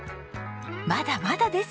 まだまだです！